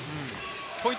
ポイント